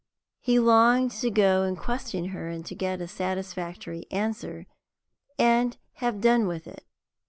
He longed to go and question her, and get a satisfactory answer, and have done with it.